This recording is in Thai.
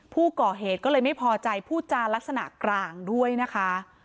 ผู้ก่อเหตุก็เลยไม่พอใจพูดจารักษณะกลางด้วยนะคะ